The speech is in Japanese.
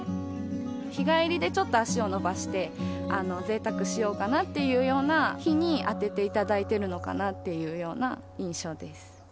日帰りでちょっと足を延ばして、ぜいたくしようかなというような日に当てていただいているのかなという印象です。